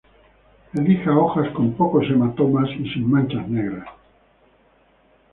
Elija hojas con pocos hematomas y sin manchas negras.